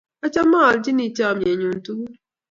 achame a alchini chamyet nyu tuguk